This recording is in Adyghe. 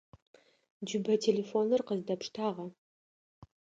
Джыбэ телефоныр къыздэпштагъэба?